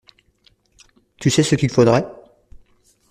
Tu sais ce qu’il faudrait?